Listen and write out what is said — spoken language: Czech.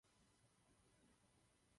Zpívá polsky i česky.